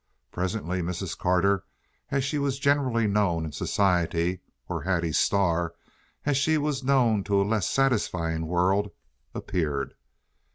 Presently Mrs. Carter, as she was generally known in society, or Hattie Starr, as she was known to a less satisfying world, appeared.